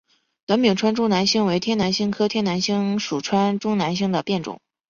短柄川中南星为天南星科天南星属川中南星的变种。